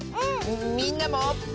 みんなも。